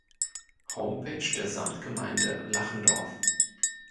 Homepage der Samtgemeinde Lachendorf